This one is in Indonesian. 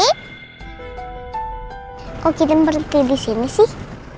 kok gidin berhenti disini sih